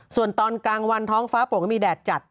ส่วนตอนกลางวันท้องฟ้าปงมีแดดจัด